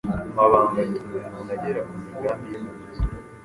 mabanga atuma umuntu agera ku migambi ye mu buzima.